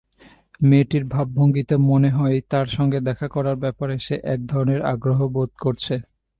মেয়েটির ভাবভঙ্গিতে মনে হয় তাঁর সঙ্গে দেখা করার ব্যাপারে সে এক ধরনের আগ্রহবোধ করছে।